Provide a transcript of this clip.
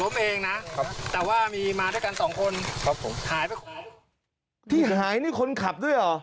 พี่หายนี่คนขับด้วยเหรอ